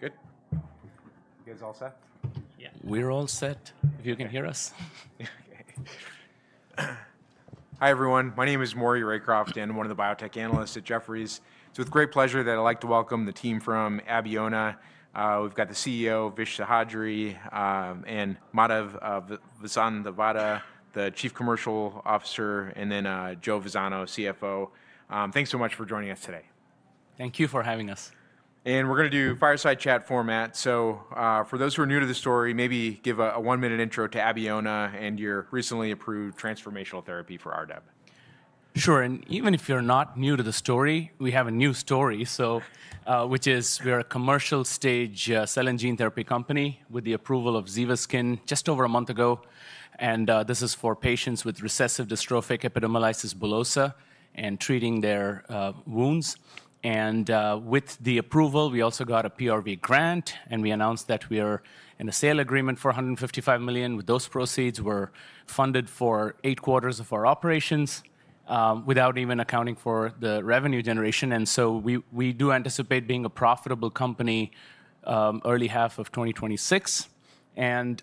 Good. You guys all set? Yeah. We're all set. If you can hear us. Okay. Hi, everyone. My name is Maury Raycroft, and I'm one of the biotech analysts at Jefferies. It's with great pleasure that I'd like to welcome the team from Abeona. We've got the CEO, Vish Seshadri, and Madhav Vasanthavada, the Chief Commercial Officer, and then Joe Vazzano, CFO. Thanks so much for joining us today. Thank you for having us. We're going to do fireside chat format. For those who are new to the story, maybe give a one-minute intro to Abeona and your recently approved transformational therapy for RDEB. Sure. Even if you're not new to the story, we have a new story, which is we're a commercial-stage cell and gene therapy company with the approval of ZEVASKYN just over a month ago. This is for patients with recessive dystrophic epidermolysis bullosa and treating their wounds. With the approval, we also got a PRV grant, and we announced that we are in a sale agreement for $155 million. With those proceeds, we're funded for eight quarters of our operations without even accounting for the revenue generation. We do anticipate being a profitable company in the early half of 2026.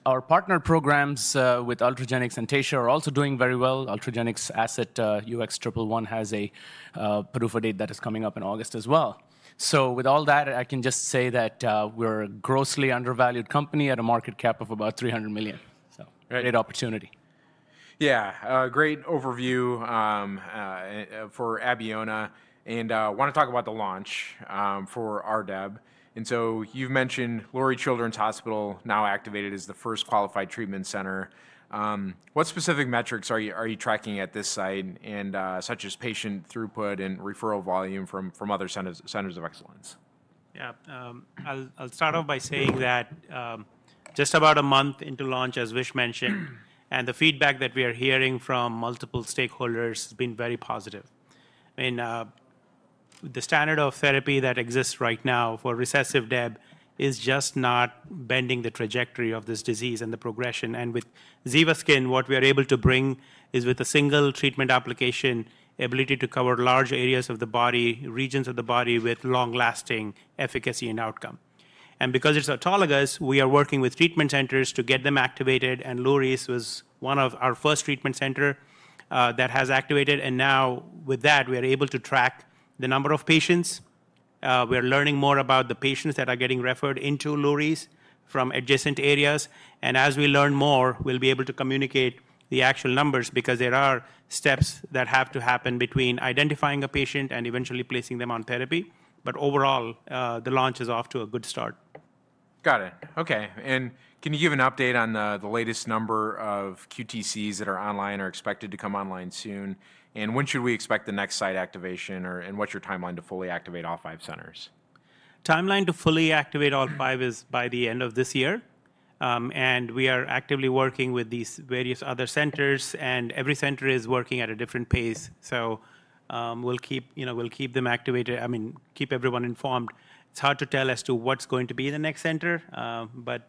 Our partner programs with Ultragenyx and Taysha are also doing very well. Ultragenyx's asset, UX111, has a proof of data that is coming up in August as well. With all that, I can just say that we're a grossly undervalued company at a market cap of about $300 million. Great opportunity. Great overview for Abeona. I want to talk about the launch for RDEB. You mentioned Lurie Children's Hospital, now activated as the first qualified treatment center. What specific metrics are you tracking at this side, such as patient throughput and referral volume from other centers of excellence? I'll start off by saying that just about a month into launch, as Vish mentioned, and the feedback that we are hearing from multiple stakeholders has been very positive. I mean, the standard of therapy that exists right now for recessive DEB is just not bending the trajectory of this disease and the progression. With ZEVASKYN, what we are able to bring is, with a single treatment application, the ability to cover large areas of the body, regions of the body, with long-lasting efficacy and outcome. Because it's autologous, we are working with treatment centers to get them activated and Lurie's was one of our first treatment centers that has activated. Now, with that, we are able to track the number of patients. We are learning more about the patients that are getting referred into Lurie's from adjacent areas. As we learn more, we'll be able to communicate the actual numbers because there are steps that have to happen between identifying a patient and eventually placing them on therapy. Overall, the launch is off to a good start. Got it. Can you give an update on the latest number of QTCs that are online or expected to come online soon? When should we expect the next site activation, and what's your timeline to fully activate all five centers? Timeline to fully activate all five is by the end of this year. We are actively working with these various other centers, and every center is working at a different pace. We will keep everyone informed. It's hard to tell as to what's going to be the next center, but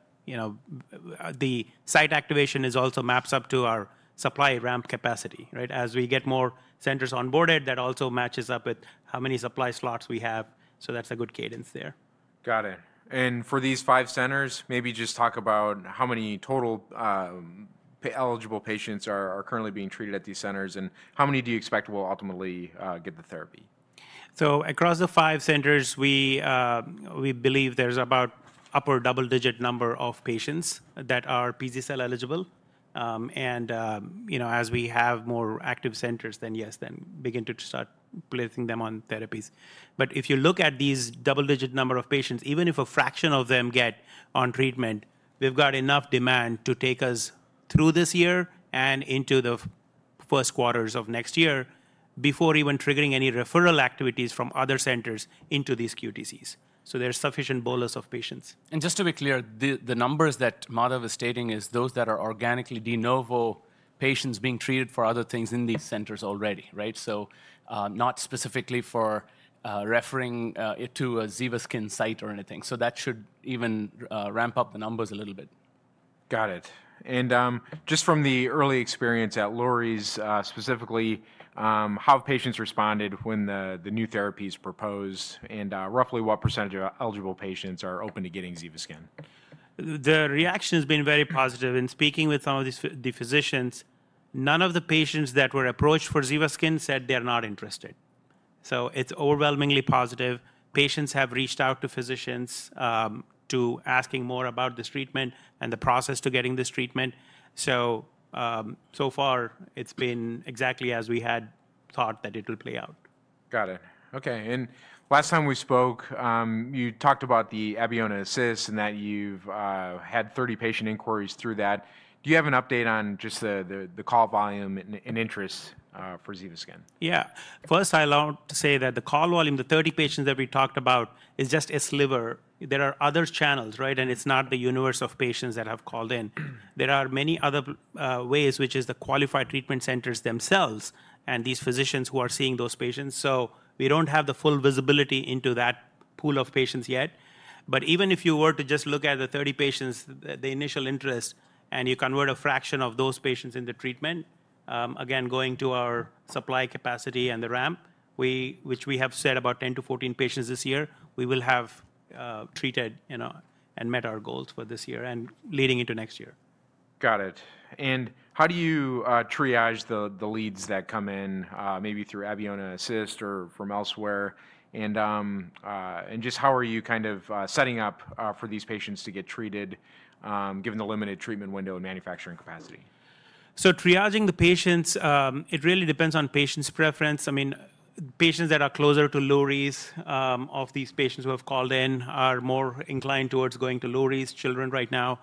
the site activation also maps up to our supply ramp capacity. As we get more centers onboarded, that also matches up with how many supply slots we have. That's a good cadence there. Got it. For these five centers, maybe just talk about how many total eligible patients are currently being treated at these centers, and how many do you expect will ultimately get the therapy? Across the five centers, we believe there is about an upper double-digit number of patients that are PGCL eligible. As we have more active centers, yes, they begin to start placing them on therapies. If you look at these double-digit number of patients, even if a fraction of them get on treatment, we have got enough demand to take us through this year and into the first quarters of next year before even triggering any referral activities from other centers into these QTCs. There is sufficient bolus of patients. Just to be clear, the numbers that Madhav is stating are those that are organically de novo patients being treated for other things in these centers already, so not specifically for referring to a ZEVASKYN site or anything. That should even ramp up the numbers a little bit. Got it. Just from the early experience at Lurie’s specifically, how have patients responded when the new therapy is proposed, and roughly what percentage of eligible patients are open to getting ZEVASKYN? The reaction has been very positive. In speaking with some of the physicians, none of the patients that were approached for ZEVASKYN said they're not interested. It is overwhelmingly positive. Patients have reached out to physicians to ask more about this treatment and the process to getting this treatment. So far, it's been exactly as we had thought that it would play out. Got it. Last time we spoke, you talked about the Abeona Assist and that you've had 30 patient inquiries through that. Do you have an update on just the call volume and interest for ZEVASKYN? First, I'll say that the call volume, the 30 patients that we talked about, is just a sliver. There are other channels, and it's not the universe of patients that have called in. There are many other ways, which are the qualified treatment centers themselves and these physicians who are seeing those patients. We don't have the full visibility into that pool of patients yet. Even if you were to just look at the 30 patients, the initial interest, and you convert a fraction of those patients into treatment, again, going to our supply capacity and the ramp, which we have said about 10-14 patients this year, we will have treated and met our goals for this year and leading into next year. Got it. How do you triage the leads that come in, maybe through Abeona Assist or from elsewhere? Just how are you kind of setting up for these patients to get treated, given the limited treatment window and manufacturing capacity? Triaging the patients, it really depends on patients' preference. I mean, patients that are closer to Lurie's, of these patients who have called in, are more inclined towards going to Lurie's Children right now.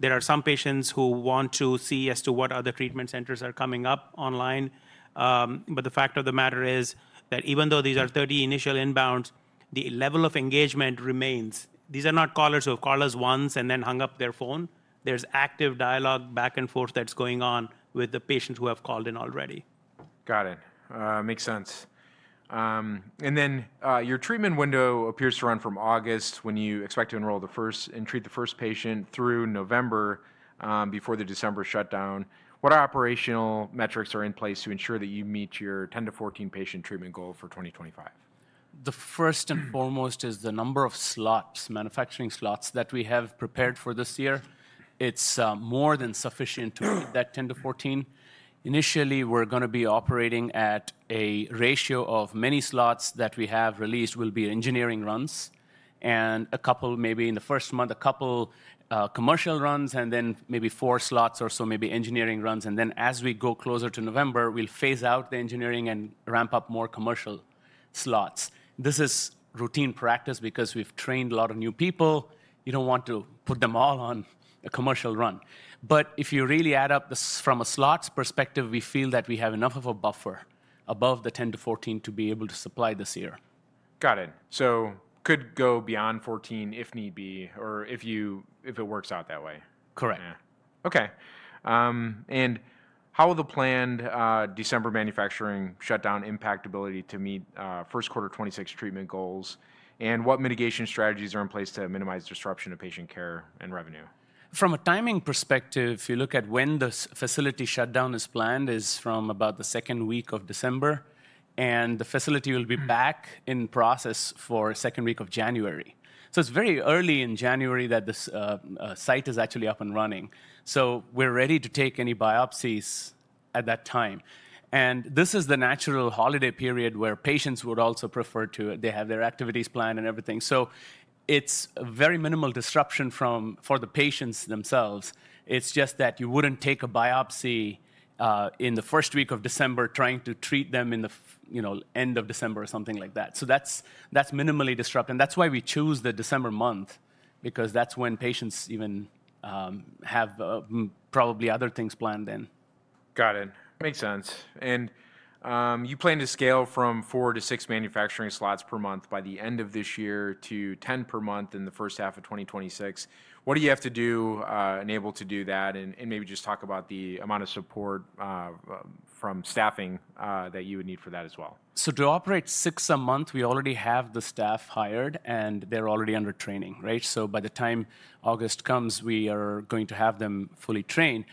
There are some patients who want to see as to what other treatment centers are coming up online. The fact of the matter is that even though these are 30 initial inbounds, the level of engagement remains. These are not callers who have called us once and then hung up their phone. There is active dialogue back and forth that is going on with the patients who have called in already. Got it. Makes sense. Your treatment window appears to run from August when you expect to enroll the first and treat the first patient through November before the December shutdown. What operational metrics are in place to ensure that you meet your 10-14 patient treatment goal for 2025? The first and foremost is the number of slots, manufacturing slots that we have prepared for this year. It's more than sufficient to meet that 10-14. Initially, we're going to be operating at a ratio of many slots that we have released will be engineering runs and a couple, maybe in the first month, a couple of commercial runs, and then maybe four slots or so, maybe engineering runs. As we go closer to November, we'll phase out the engineering and ramp up more commercial slots. This is routine practice because we've trained a lot of new people. You don't want to put them all on a commercial run. If you really add up from a slots perspective, we feel that we have enough of a buffer above the 10-14 to be able to supply this year. Got it. So could go beyond 14 if need be or if it works out that way. Correct. Okay. How will the planned December manufacturing shutdown impact ability to meet first quarter 2026 treatment goals, and what mitigation strategies are in place to minimize disruption of patient care and revenue? From a timing perspective, if you look at when the facility shutdown is planned, it's from about the second week of December, and the facility will be back in process for the second week of January. It is very early in January that this site is actually up and running. We are ready to take any biopsies at that time. This is the natural holiday period where patients would also prefer to have their activities planned and everything. It is very minimal disruption for the patients themselves. It is just that you would not take a biopsy in the first week of December trying to treat them in the end of December or something like that. That is minimally disruptive. That is why we choose the December month, because that is when patients even have probably other things planned in. Got it. Makes sense. You plan to scale from four to six manufacturing slots per month by the end of this year to 10 per month in the first half of 2026. What do you have to do to enable to do that, and maybe just talk about the amount of support from staffing that you would need for that as well? To operate six a month, we already have the staff hired, and they're already under training. By the time August comes, we are going to have them fully trained.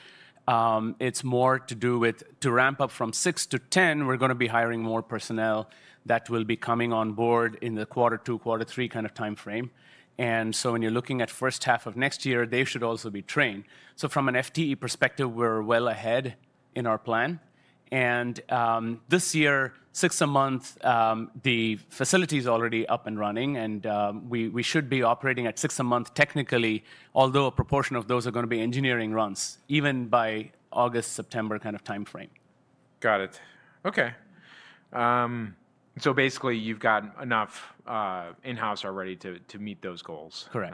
It's more to do with to ramp up from six to 10, we're going to be hiring more personnel that will be coming on board in the Q2, Q3 kind of time frame. When you're looking at the first half of next year, they should also be trained. From an FTE perspective, we're well ahead in our plan. This year, six a month, the facility is already up and running, and we should be operating at six a month technically, although a proportion of those are going to be engineering runs even by August, September kind of time frame. Got it. So basically, you've got enough in-house already to meet those goals. Correct.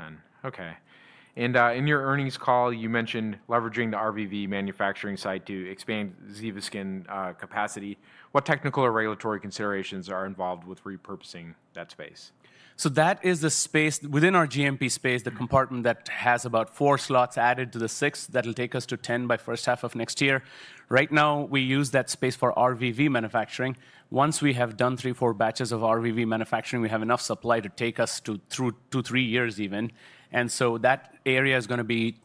In your earnings call, you mentioned leveraging the RVV manufacturing site to expand ZEVASKYN capacity. What technical or regulatory considerations are involved with repurposing that space? That is the space within our GMP space, the compartment that has about four slots added to the six that will take us to 10 by the first half of next year. Right now, we use that space for RVV manufacturing. Once we have done three, four batches of RVV manufacturing, we have enough supply to take us through two to three years even. That area is going to be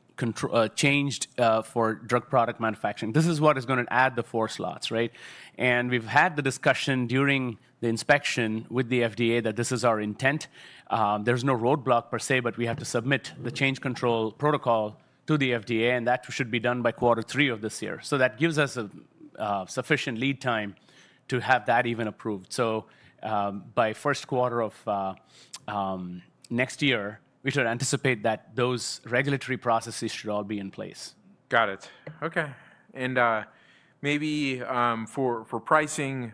changed for drug product manufacturing. This is what is going to add the four slots. We have had the discussion during the inspection with the FDA that this is our intent. There is no roadblock per se, but we have to submit the change control protocol to the FDA, and that should be done by Q3 of this year. That gives us sufficient lead time to have that even approved. By 1Q of next year, we should anticipate that those regulatory processes should all be in place. Got it. Maybe for pricing,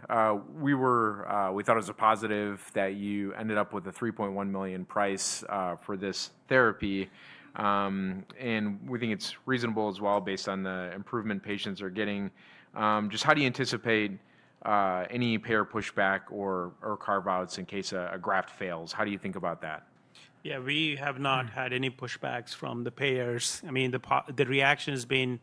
we thought it was a positive that you ended up with a $3.1 million price for this therapy. We think it's reasonable as well based on the improvement patients are getting. Just how do you anticipate any payer pushback or carve-outs in case a graft fails? How do you think about that? We have not had any pushbacks from the payers. I mean, the reaction has been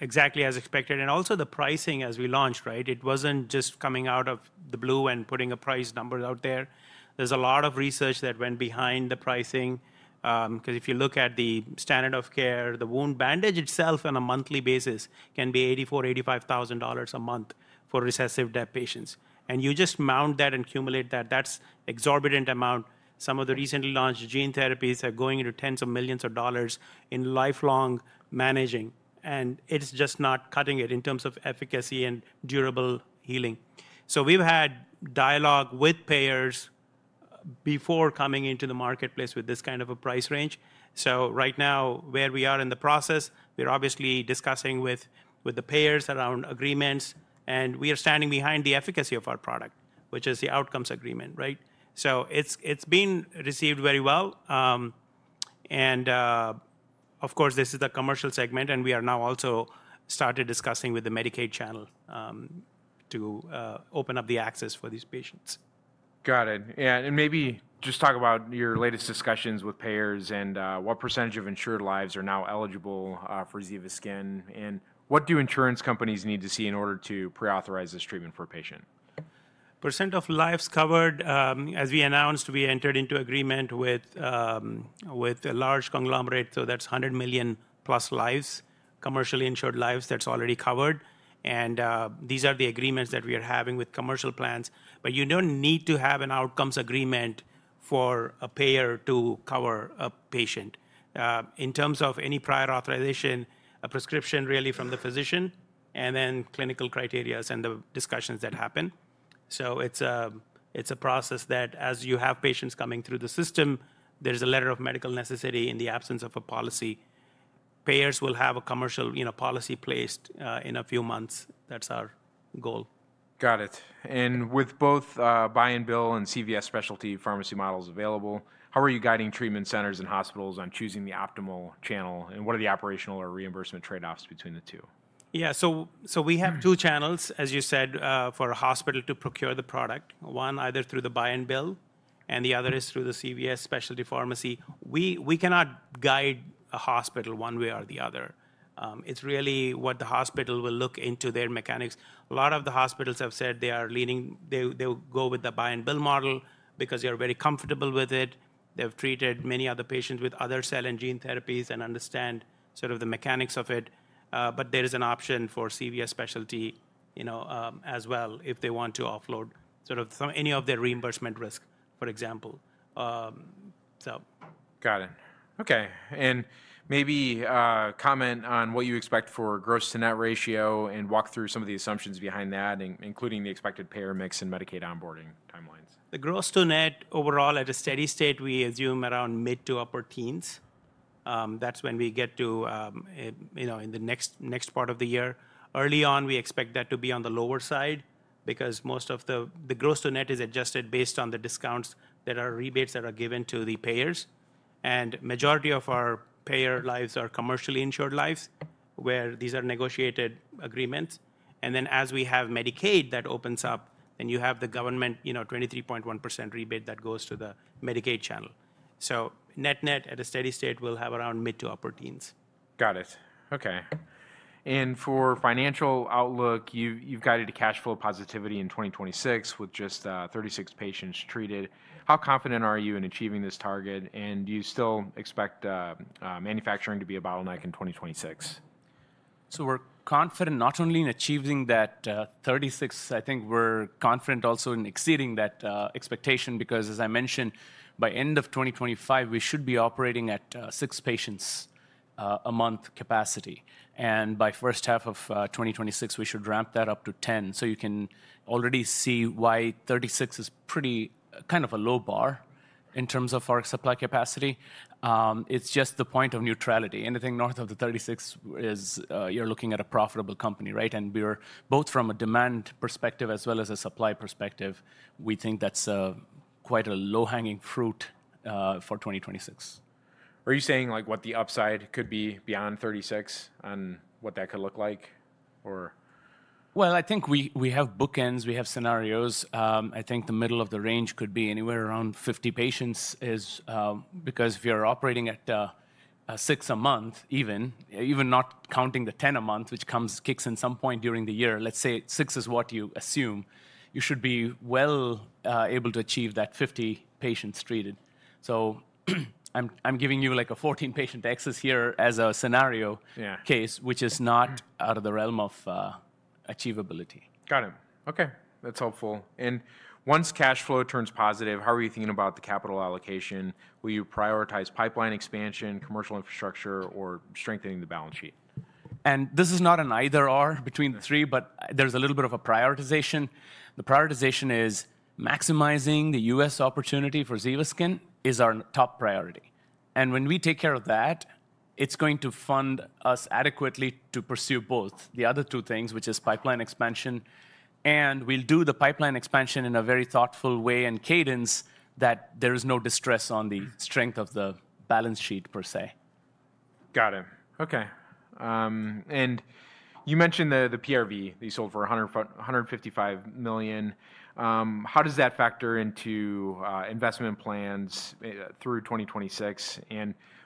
exactly as expected. Also, the pricing as we launched, it was not just coming out of the blue and putting a price number out there. There is a lot of research that went behind the pricing because if you look at the standard of care, the wound bandage itself on a monthly basis can be $84,000-$85,000 a month for recessive DEB patients. You just mount that and cumulate that. That is an exorbitant amount. Some of the recently launched gene therapies are going into tens of millions of dollars in lifelong managing. It is just not cutting it in terms of efficacy and durable healing. We have had dialogue with payers before coming into the marketplace with this kind of a price range. Right now, where we are in the process, we're obviously discussing with the payers around agreements, and we are standing behind the efficacy of our product, which is the outcomes agreement. It has been received very well. Of course, this is the commercial segment, and we have now also started discussing with the Medicaid channel to open up the access for these patients. Got it. Maybe just talk about your latest discussions with payers and what percentage of insured lives are now eligible for ZEVASKYN. What do insurance companies need to see in order to pre-authorize this treatment for a patient? Percent of lives covered, as we announced, we entered into agreement with a large conglomerate. That's 100 million-plus lives, commercially insured lives that's already covered. These are the agreements that we are having with commercial plans. You don't need to have an outcomes agreement for a payer to cover a patient. In terms of any prior authorization, a prescription really from the physician and then clinical criteria and the discussions that happen. It's a process that, as you have patients coming through the system, there's a letter of medical necessity in the absence of a policy. Payers will have a commercial policy placed in a few months. That's our goal. Got it. With both buy-and-bill and CVS specialty pharmacy models available, how are you guiding treatment centers and hospitals on choosing the optimal channel? What are the operational or reimbursement trade-offs between the two? So we have two channels, as you said, for a hospital to procure the product. One either through the buy-and-bill, and the other is through the CVS specialty pharmacy. We cannot guide a hospital one way or the other. It's really what the hospital will look into their mechanics. A lot of the hospitals have said they will go with the buy-and-bill model because they're very comfortable with it. They've treated many other patients with other cell and gene therapies and understand sort of the mechanics of it. There is an option for CVS specialty as well if they want to offload any of their reimbursement risk, for example. Got it. Maybe comment on what you expect for gross-to-net ratio and walk through some of the assumptions behind that, including the expected payer mix and Medicaid onboarding timelines. The gross-to-net overall at a steady state, we assume around mid to upper teens. That is when we get to in the next part of the year. Early on, we expect that to be on the lower side because most of the gross-to-net is adjusted based on the discounts that are rebates that are given to the payers. The majority of our payer lives are commercially insured lives where these are negotiated agreements. As we have Medicaid that opens up, you have the government 23.1% rebate that goes to the Medicaid channel. Net-net at a steady state we'll have around mid to upper teens. Got it. For financial outlook, you've guided a cash flow positivity in 2026 with just 36 patients treated. How confident are you in achieving this target, and do you still expect manufacturing to be a bottleneck in 2026? We're confident not only in achieving that 36, I think we're confident also in exceeding that expectation because, as I mentioned, by end of 2025, we should be operating at six patients a month capacity. By the first half of 2026, we should ramp that up to 10. You can already see why 36 is pretty kind of a low bar in terms of our supply capacity. It's just the point of neutrality. Anything north of the 36, you're looking at a profitable company. Both from a demand perspective as well as a supply perspective, we think that's quite a low-hanging fruit for 2026. Are you saying what the upside could be beyond 36 and what that could look like? I think we have bookends. We have scenarios. I think the middle of the range could be anywhere around 50 patients because if you're operating at six-a-month, even not counting the 10-a-month, which kicks in some point during the year, let's say six is what you assume, you should be well able to achieve that 50 patients treated. I'm giving you like a 14 patient excess here as a scenario case, which is not out of the realm of achievability. Got it. That's helpful. Once cash flow turns positive, how are you thinking about the capital allocation? Will you prioritize pipeline expansion, commercial infrastructure, or strengthening the balance sheet? This is not an either/or between the three, but there's a little bit of a prioritization. The prioritization is maximizing the U.S. opportunity for ZEVASKYN is our top priority. When we take care of that, it's going to fund us adequately to pursue both, the other two things, which is pipeline expansion. We'll do the pipeline expansion in a very thoughtful way and cadence that there is no distress on the strength of the balance sheet per se. Got it. You mentioned the PRV that you sold for $155 million. How does that factor into investment plans through 2026?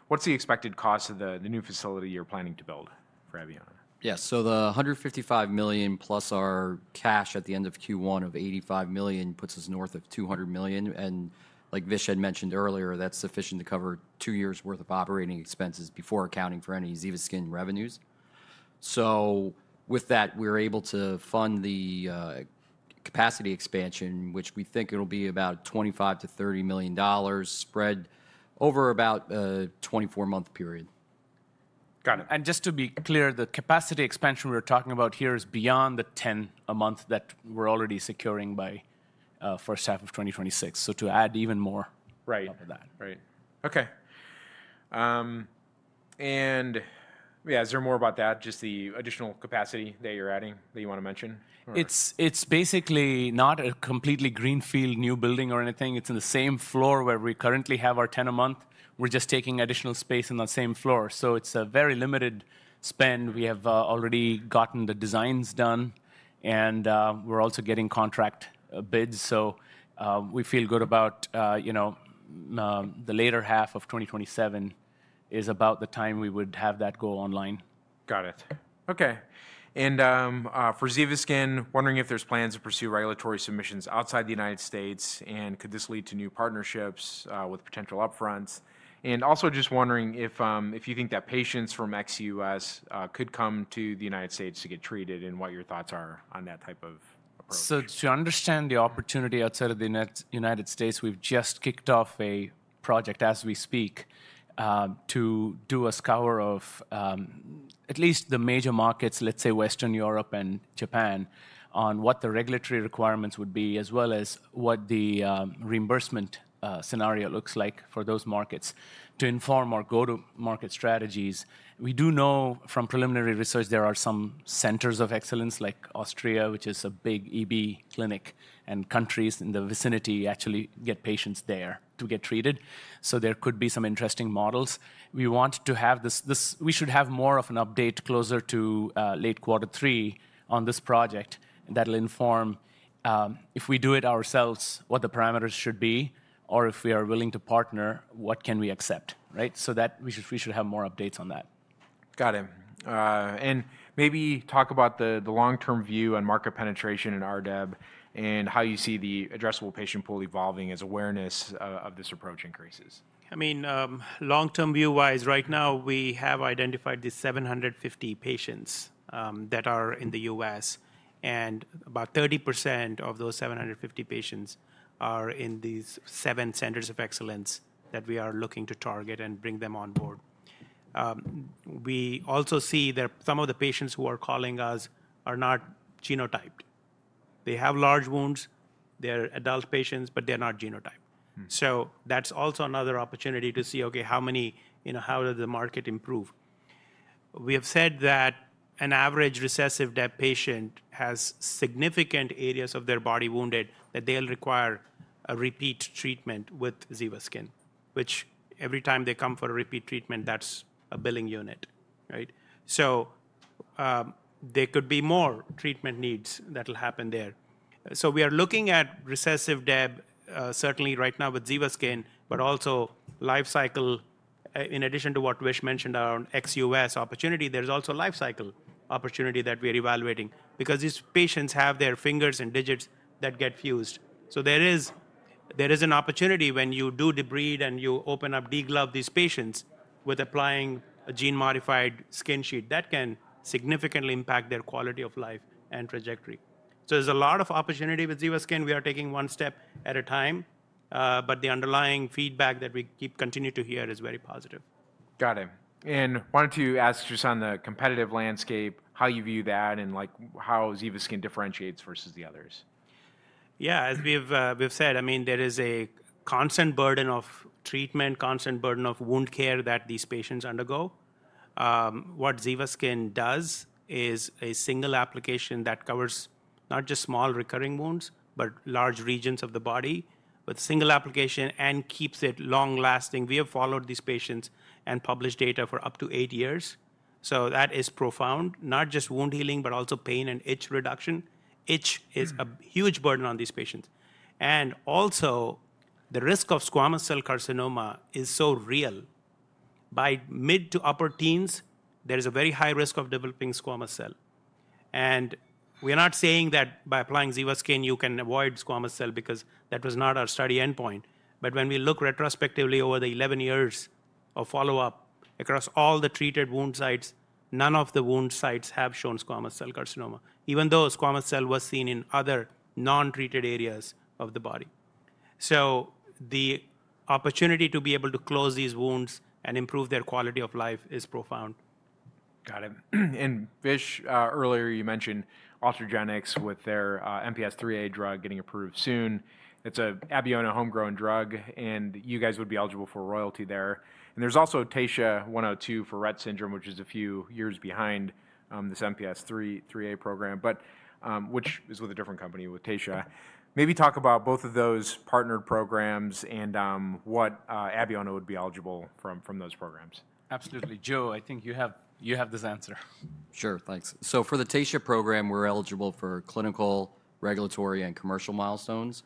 What's the expected cost of the new facility you're planning to build for Abeona? So the $155 million plus our cash at the end of Q1 of $85 million puts us north of $200 million. Like Vish had mentioned earlier, that's sufficient to cover two years' worth of operating expenses before accounting for any ZEVASKYN revenues. With that, we're able to fund the capacity expansion, which we think it'll be about $25 million-$30 million spread over about a 24-month period. Got it. Just to be clear, the capacity expansion we're talking about here is beyond the 10-a-month that we're already securing by the first half of 2026. To add even more of that. Right. Is there more about that, just the additional capacity that you're adding that you want to mention? It's basically not a completely greenfield new building or anything. It's in the same floor where we currently have our 10-a-month. We're just taking additional space on that same floor. It is a very limited spend. We have already gotten the designs done, and we're also getting contract bids. We feel good about the later half of 2027 is about the time we would have that go online. Got it. For ZEVASKYN, wondering if there's plans to pursue regulatory submissions outside the U.S., and could this lead to new partnerships with potential upfronts? Also just wondering if you think that patients from ex-U.S. could come to the United States to get treated and what your thoughts are on that type of approach. To understand the opportunity outside of the United States, we've just kicked off a project as we speak to do a scour of at least the major markets, let's say Western Europe and Japan, on what the regulatory requirements would be, as well as what the reimbursement scenario looks like for those markets to inform our go-to-market strategies. We do know from preliminary research there are some centers of excellence like Austria, which is a big EB clinic, and countries in the vicinity actually get patients there to get treated. There could be some interesting models. We want to have this, we should have more of an update closer to late Q3 on this project that will inform if we do it ourselves, what the parameters should be, or if we are willing to partner, what can we accept. We should have more updates on that. Got it. Maybe talk about the long-term view on market penetration in RDEB and how you see the addressable patient pool evolving as awareness of this approach increases. I mean, long-term view-wise, right now, we have identified these 750 patients that are in the U.S., and about 30% of those 750 patients are in these seven centers of excellence that we are looking to target and bring them on board. We also see that some of the patients who are calling us are not genotyped. They have large wounds. They're adult patients, but they're not genotyped. That is also another opportunity to see, okay, how does the market improve? We have said that an average recessive DEB patient has significant areas of their body wounded that they'll require a repeat treatment with ZEVASKYN, which every time they come for a repeat treatment, that's a billing unit. There could be more treatment needs that will happen there. We are looking at recessive DEB, certainly right now with ZEVASKYN, but also life cycle. In addition to what Vish mentioned around ex-US opportunity, there's also life cycle opportunity that we are evaluating because these patients have their fingers and digits that get fused. There is an opportunity when you do debride and you open up, deglove these patients with applying a gene-modified skin sheet that can significantly impact their quality of life and trajectory. There is a lot of opportunity with ZEVASKYN. We are taking one step at a time, but the underlying feedback that we keep continuing to hear is very positive. Got it. I wanted to ask just on the competitive landscape, how you view that and how ZEVASKYN differentiates versus the others. As we've said, I mean, there is a constant burden of treatment, constant burden of wound care that these patients undergo. What ZEVASKYN does is a single application that covers not just small recurring wounds, but large regions of the body with a single application and keeps it long-lasting. We have followed these patients and published data for up to eight years. That is profound, not just wound healing, but also pain and itch reduction. Itch is a huge burden on these patients. Also, the risk of squamous cell carcinoma is so real. By mid to upper teens, there is a very high risk of developing squamous cell. We're not saying that by applying ZEVASKYN, you can avoid squamous cell because that was not our study endpoint. When we look retrospectively over the 11 years of follow-up across all the treated wound sites, none of the wound sites have shown squamous cell carcinoma, even though squamous cell was seen in other non-treated areas of the body. The opportunity to be able to close these wounds and improve their quality of life is profound. Got it. Vish, earlier you mentioned Ultragenyx with their MPS IIIA drug getting approved soon. It is an Abeona homegrown drug, and you guys would be eligible for royalty there. There is also TSHA-102 for Rett Syndrome, which is a few years behind this MPS IIIA program, which is with a different company, with Taysha. Maybe talk about both of those partnered programs and what Abeona would be eligible from those programs. Absolutely. Joe, I think you have this answer. Sure. Thanks. For the Taysha program, we're eligible for clinical, regulatory, and commercial milestones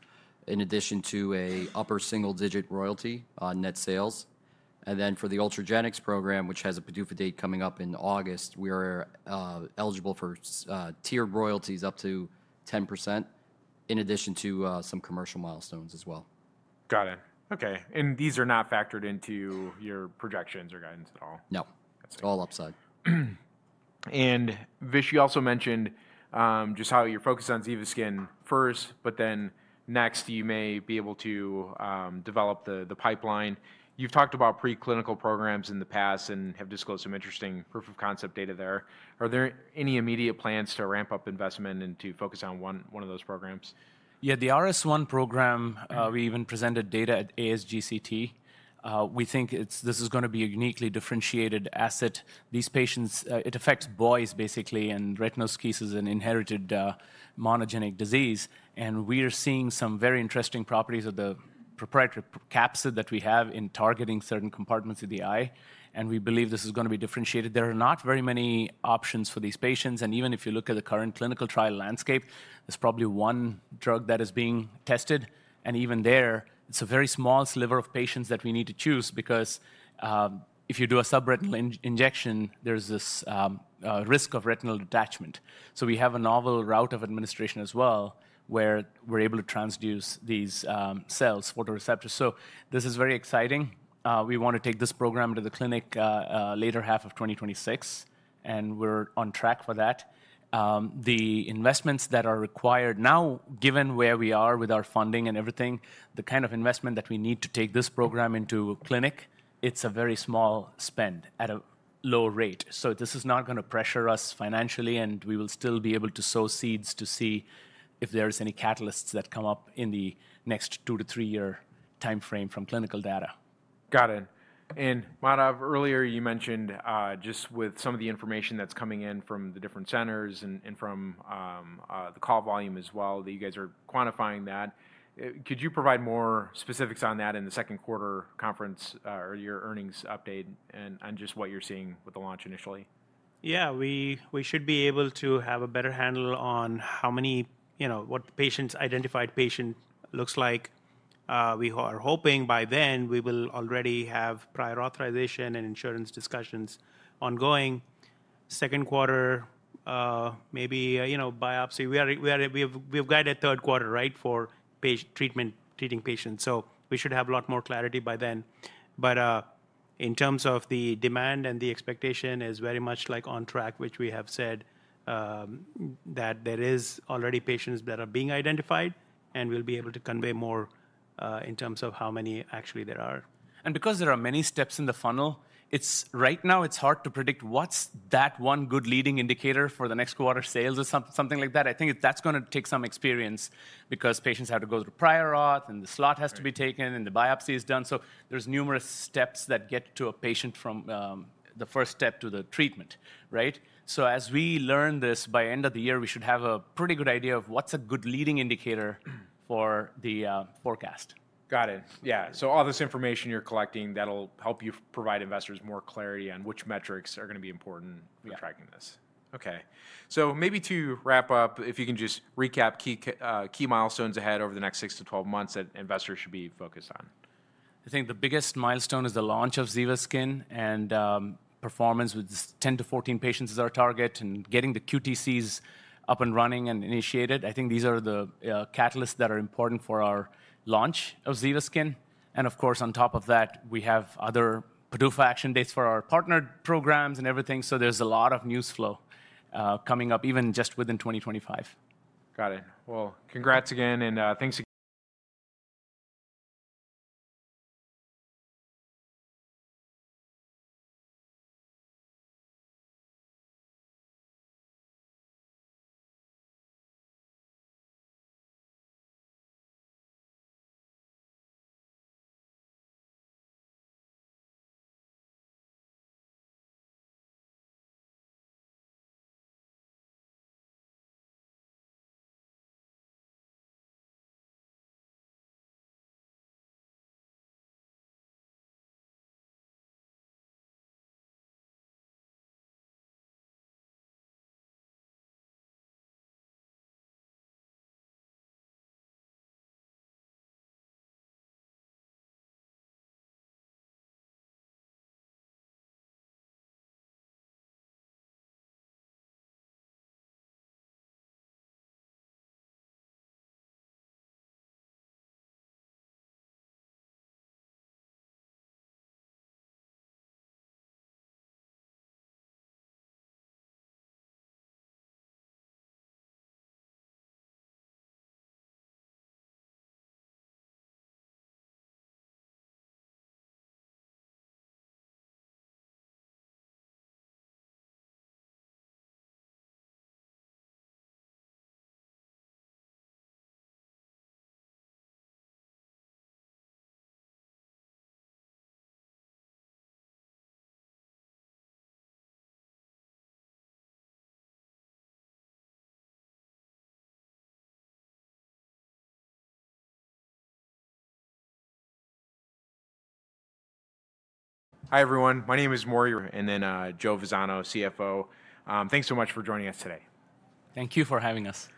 in addition to an upper single-digit royalty on net sales. For the Ultragenyx program, which has a PDUFA date coming up in August, we are eligible for tiered royalties up to 10% in addition to some commercial milestones as well. Got it. And these are not factored into your projections or guidance at all? No. It's all upside. Vish, you also mentioned just how you're focused on ZEVASKYN first, but then next, you may be able to develop the pipeline. You've talked about preclinical programs in the past and have disclosed some interesting proof-of-concept data there. Are there any immediate plans to ramp up investment and to focus on one of those programs? The RS1 program, we even presented data at ASGCT. We think this is going to be a uniquely differentiated asset. These patients, it affects boys basically and retinoschisis and inherited monogenic disease. We are seeing some very interesting properties of the proprietary capsid that we have in targeting certain compartments of the eye. We believe this is going to be differentiated. There are not very many options for these patients. Even if you look at the current clinical trial landscape, there is probably one drug that is being tested. Even there, it is a very small sliver of patients that we need to choose because if you do a subretinal injection, there is this risk of retinal detachment. We have a novel route of administration as well where we are able to transduce these cells, photoreceptors. This is very exciting. We want to take this program to the clinic later half of 2026, and we're on track for that. The investments that are required now, given where we are with our funding and everything, the kind of investment that we need to take this program into clinic, it's a very small spend at a low rate. This is not going to pressure us financially, and we will still be able to sow seeds to see if there are any catalysts that come up in the next 2-3 year timeframe from clinical data. Got it. Madhav, earlier you mentioned just with some of the information that's coming in from the different centers and from the call volume as well, that you guys are quantifying that. Could you provide more specifics on that in the Q2 conference or your earnings update and just what you're seeing with the launch initially? We should be able to have a better handle on what the patient's identified patient looks like. We are hoping by then we will already have prior authorization and insurance discussions ongoing. Q2, maybe biopsy. We've guided Q3, for treating patients. We should have a lot more clarity by then. In terms of the demand and the expectation, it is very much like on track, which we have said that there are already patients that are being identified, and we'll be able to convey more in terms of how many actually there are. Because there are many steps in the funnel, right now, it's hard to predict what's that one good leading indicator for the next quarter sales or something like that. I think that's going to take some experience because patients have to go through prior authorization, and the slot has to be taken, and the biopsy is done. There are numerous steps that get to a patient from the first step to the treatment. As we learn this by the end of the year, we should have a pretty good idea of what's a good leading indicator for the forecast. Got it. So all this information you're collecting, that'll help you provide investors more clarity on which metrics are going to be important for tracking this. Maybe to wrap up, if you can just recap key milestones ahead over the next 6 to 12 months that investors should be focused on. I think the biggest milestone is the launch of ZEVASKYN and performance with 10-14 patients as our target and getting the QTCs up and running and initiated. I think these are the catalysts that are important for our launch of ZEVASKYN. Of course, on top of that, we have other PDUFA action dates for our partnered programs and everything. There is a lot of news flow coming up even just within 2025. Got it. Congrats again, and thanks. Hi, everyone. My name is Maury. And then Joe Vazzano, CFO. Thanks so much for joining us today. Thank you for having us.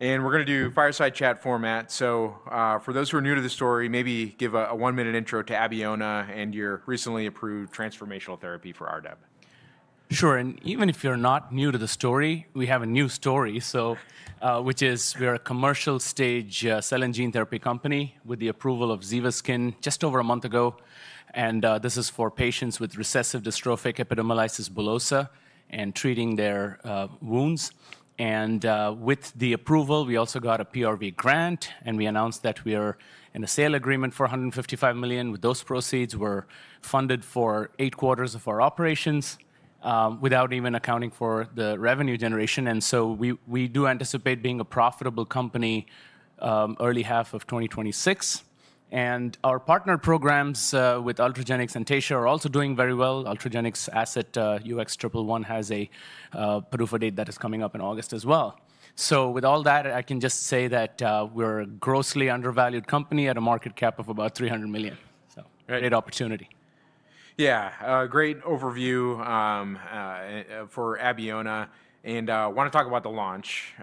We're going to do fireside chat format. For those who are new to the story, maybe give a one-minute intro to Abeona and your recently approved transformational therapy for RDEB. Sure. Even if you're not new to the story, we have a new story, which is we are a commercial-stage cell and gene therapy company with the approval of ZEVASKYN just over a month ago. This is for patients with recessive dystrophic epidermolysis bullosa and treating their wounds. With the approval, we also got a PRV grant, and we announced that we are in a sale agreement for $155 million. With those proceeds, we're funded for eight quarters of our operations without even accounting for the revenue generation. We do anticipate being a profitable company early half of 2026. Our partner programs with Ultragenyx and Taysha are also doing very well. Ultragenyx's asset UX111 has a PDUFA date that is coming up in August as well. With all that, I can just say that we're a grossly undervalued company at a market cap of about $300 million. Great opportunity. Great overview for Abeona. I want to talk about the launch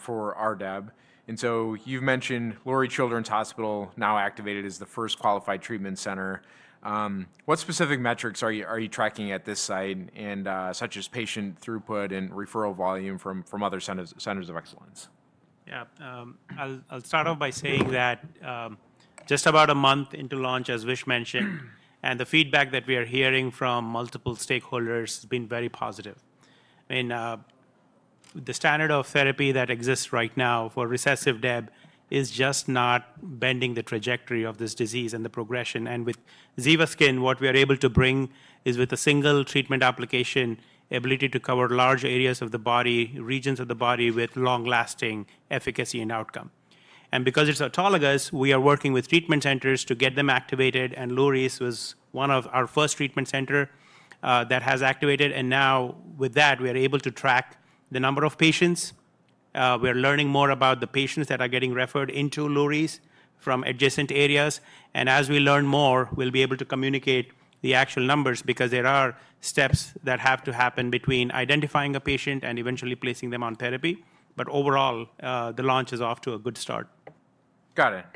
for RDEB. You mentioned Lurie Children's Hospital now activated as the first qualified treatment center. What specific metrics are you tracking at this side, such as patient throughput and referral volume from other centers of excellence? I'll start off by saying that just about a month into launch, as Vish mentioned, and the feedback that we are hearing from multiple stakeholders has been very positive. I mean, the standard of therapy that exists right now for recessive DEB is just not bending the trajectory of this disease and the progression. With ZEVASKYN, what we are able to bring is with a single treatment application, the ability to cover large areas of the body, regions of the body with long-lasting efficacy and outcome. Because it's autologous, we are working with treatment centers to get them activated and Lurie's was one of our first treatment centers that has activated. Now with that, we are able to track the number of patients. We're learning more about the patients that are getting referred into Lurie's from adjacent areas. As we learn more, we'll be able to communicate the actual numbers because there are steps that have to happen between identifying a patient and eventually placing them on therapy. Overall, the launch is off to a good start. Got it.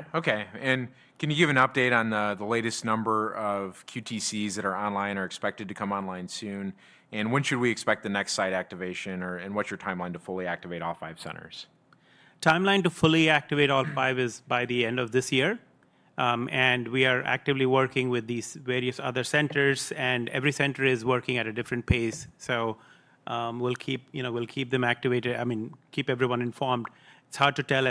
Can you give an update on the latest number of QTCs that are online or expected to come online soon? When should we expect the next site activation, and what's your timeline to fully activate all five centers? Timeline to fully activate all five is by the end of this year. We are actively working with these various other centers, and every center is working at a different pace. We'll keep everyone informed. It's hard to tell.